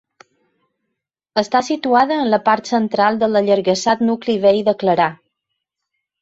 Està situada en la part central de l'allargassat nucli vell de Clarà.